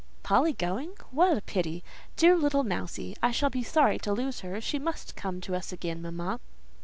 "Polly going? What a pity! Dear little Mousie, I shall be sorry to lose her: she must come to us again, mamma."